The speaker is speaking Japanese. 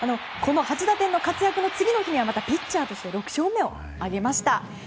８打点の活躍の次の日にはピッチャーとして６勝目を挙げました。